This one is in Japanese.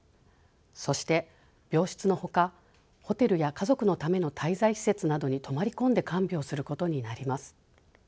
そして病室のほかホテルや家族のための滞在施設などに泊まり込んで看病することになります。